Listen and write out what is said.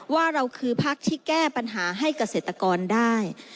ว่าเราคือพักที่แก้ปัญหาให้เกษตรกรได้